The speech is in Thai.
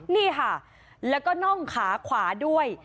นี่ค่ะแล้วก็น่องขาขวาด้วย